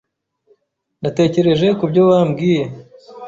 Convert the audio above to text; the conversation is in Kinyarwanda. Natekereje kubyo wambwiye.